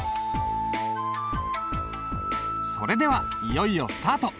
それではいよいよスタート！